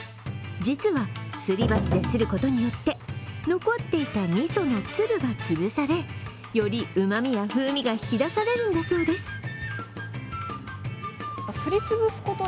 実はすり鉢ですることによって、残っていたみその粒がつぶされよりうまみや風味が引き出されるんだそうです。